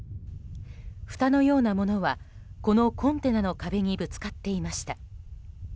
ふたのようなものはこのコンテナの壁にぶつかっていました。